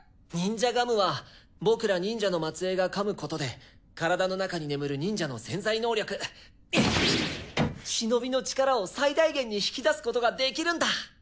ニンジャガムは僕ら忍者の末裔が噛むことで体の中に眠る忍者の潜在能力シノビの力を最大限に引き出すことができるんだ。